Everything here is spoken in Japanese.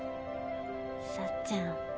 幸ちゃん。